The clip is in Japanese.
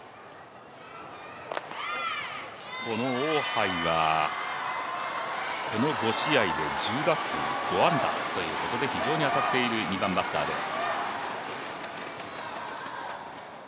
この王ハイは、この５試合で１０打数５安打ということで非常に当たっている２番バッターです。